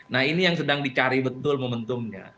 nah ini yang sedang dicari betul momentumnya